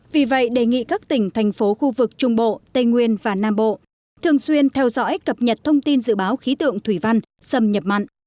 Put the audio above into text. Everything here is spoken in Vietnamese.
vì vậy đề nghị các tỉnh thành phố khu vực trung bộ tây nguyên và nam bộ thường xuyên theo dõi cập nhật thông tin dự báo khí tượng thủy văn xâm nhập mặn